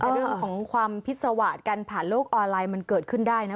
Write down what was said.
เรื่องของความพิษวาสตร์กันผ่านโลกออนไลน์มันเกิดขึ้นได้นะ